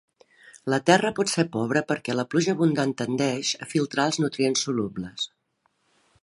La terra pot ser pobra perquè la pluja abundant tendeix a filtrar els nutrients solubles.